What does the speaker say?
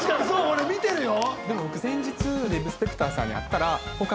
俺見てるよ。